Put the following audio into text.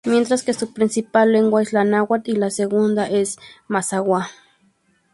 Mientras que su principal lengua es la Náhuatl y la segunda es la Mazahua.